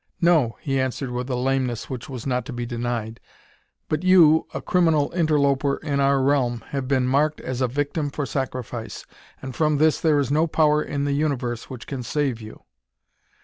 "No," he answered with a lameness which was not to be denied. "But you, a criminal interloper in our realm, have been marked as a victim for sacrifice, and from this there is no power in the universe which can save you."